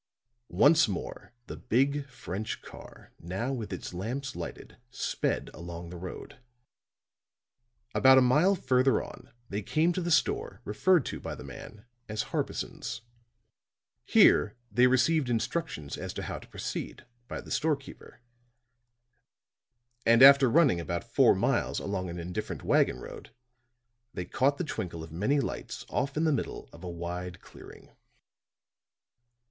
Once more the big French car, now with its lamps lighted, sped along the road; about a mile further on they came to the store referred to by the man as Harbison's. Here they received instructions as to how to proceed, by the store keeper; and after running about four miles along an indifferent wagon road, they caught the twinkle of many lights off in the middle of a wide clearing.